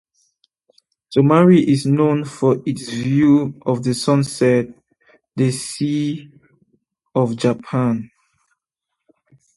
Tomari is known for its view of the sunset on the Sea of Japan.